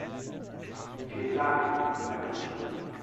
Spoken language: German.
Vielen Dank, Herr Monti.